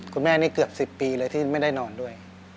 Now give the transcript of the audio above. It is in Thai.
คุณแม่นี่เกือบ๑๐ปีเลยที่ไม่ได้นอนด้วย